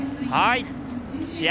試合